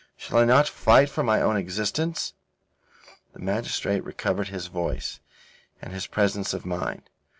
Shall I not fight for my own existence?" The magistrate recovered his voice and his presence of mind.